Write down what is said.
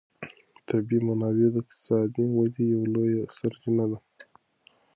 طبیعي منابع د اقتصادي ودې یوه لویه سرچینه ده.